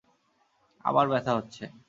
আবার ব্যথা হচ্ছে!